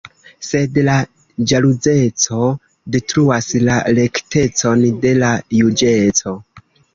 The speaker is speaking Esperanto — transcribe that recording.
Sed la ĵaluzeco detruas la rektecon de la juĝeco.